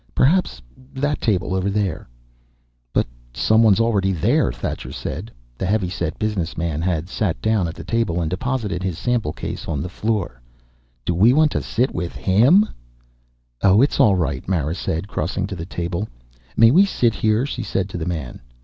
"Perhaps that table over there." "But someone's there already," Thacher said. The heavy set business man had sat down at the table and deposited his sample case on the floor. "Do we want to sit with him?" "Oh, it's all right," Mara said, crossing to the table. "May we sit here?" she said to the man.